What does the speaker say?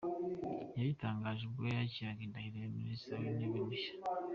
Yabitangaje ubwo yakiraga indahiro ya Minisitiri w’Intebe mushya.